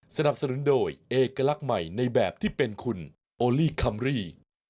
สนับสนุนโดยเอกลักษณ์ใหม่ในแบบที่เป็นคุณโอลี่คัมรี่